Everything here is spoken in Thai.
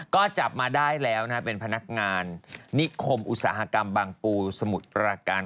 ก็จับมาได้แล้วเป็นพนักงานนิคมอุตสาหกรรมบางปูสมุทรประการ